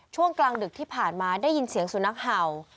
ช่วงกลางดึกที่ผ่านมาได้ยินเสียงสุนัขเห่า